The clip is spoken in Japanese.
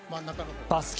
バスケ